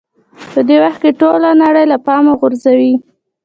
په دې وخت کې ټوله نړۍ له پامه غورځوئ.